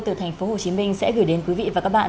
từ tp hcm sẽ gửi đến quý vị và các bạn